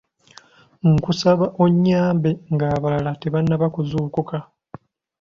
Nkusaba onyambe ng'abalala tebanaba kuzuukuka.